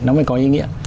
nó mới có ý nghĩa